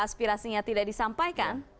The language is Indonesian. aspirasinya tidak disampaikan